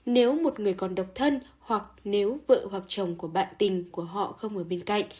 nếu một người còn độc thân hoặc nếu vợ hoặc chồng của bạn tình của họ không ở bên cạnh